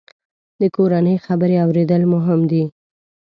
د کورنۍ خبرې اورېدل مهم دي.